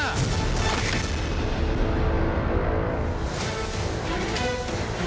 เดินทางไปสถานีขนส่งคนแน่นสถานีรถไฟคนแน่น